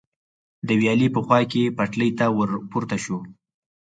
د ویالې په خوا کې پټلۍ ته ور پورته شو.